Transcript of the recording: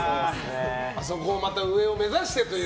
そこのまた上を目指してという。